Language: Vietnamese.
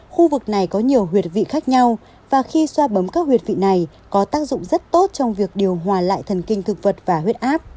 khu vực này có nhiều huyệt vị khác nhau và khi xoa bấm các huyệt vị này có tác dụng rất tốt trong việc điều hòa lại thần kinh thực vật và huyết áp